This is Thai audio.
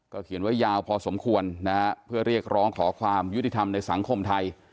เขียนไว้ยาวพอสมควรนะฮะเพื่อเรียกร้องขอความยุติธรรมในสังคมไทย